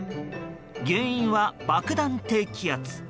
原因は爆弾低気圧。